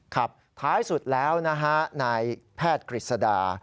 ครับท้ายสุดแล้วนะฮะนายแพทย์กฤษดา